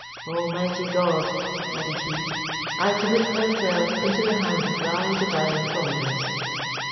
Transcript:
Almighty God," added he, "I commit myself into the hands of thy divine providence.